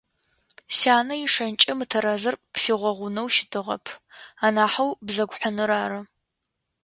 Сянэ ишэнкӏэ мытэрэзыр пфигъэгъунэу щытыгъэп, анахьэу бзэгу хьыныр ары!